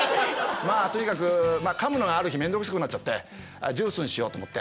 まあとにかくかむのがある日面倒くさくなっちゃってジュースにしようと思って。